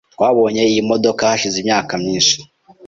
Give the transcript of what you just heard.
Twabonye iyi modoka hashize imyaka myinshi.